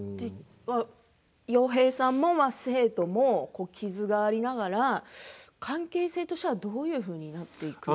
陽平さんも生徒も傷がありながら関係性としてはどういうふうになっていくんですか。